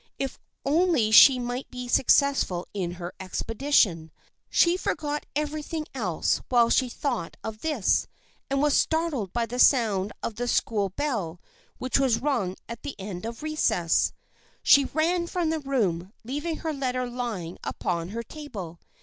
If only she might be successful in her expedition ! She forgot everything else while she thought of this, and was startled by the sound of the school bell which was rung at the end of recess. She ran from the room, leaving her letter lying upon her table.